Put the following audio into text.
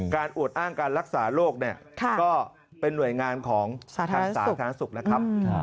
การอวดอ้างการรักษาโรคก็เป็นหน่วยงานของศาสนศาสตร์ศุกร์